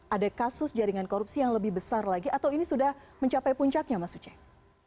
ada kasus jaringan korupsi yang lebih besar lagi atau ini sudah mencapai puncaknya mas uceng